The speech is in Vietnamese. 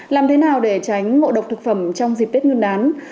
làm thế nào để tránh ngộ độc thực phẩm trong dịp tết nguyên đán